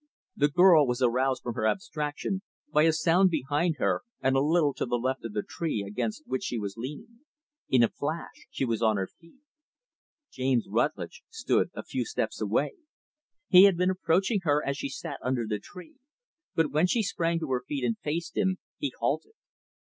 The girl was aroused from her abstraction by a sound behind her and a little to the left of the tree against which she was leaning. In a flash, she was on her feet. James Rutlidge stood a few steps away. He had been approaching her as she sat under the tree; but when she sprang to her feet and faced him, he halted.